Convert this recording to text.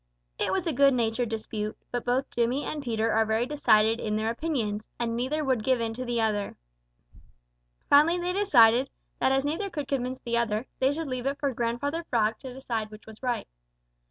It was a good natured dispute, but both Jimmy and Peter are very decided in their opinions, and neither would give in to the other. Finally they decided that as neither could convince the other, they should leave it for Grandfather Frog to decide which was right.